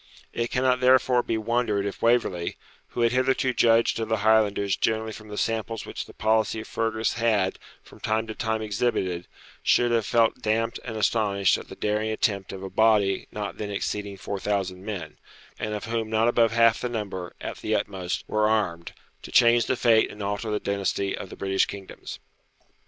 It cannot therefore be wondered if Waverley, who had hitherto judged of the Highlanders generally from the samples which the policy of Fergus had from time to time exhibited, should have felt damped and astonished at the daring attempt of a body not then exceeding four thousand men, and of whom not above half the number, at the utmost, were armed, to change the fate and alter the dynasty of the British kingdoms.